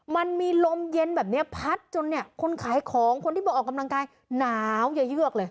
มันมีลมเย็นแบบนี้พัดจนเนี่ยคนขายของคนที่บอกออกกำลังกายหนาวอย่าเยือกเลย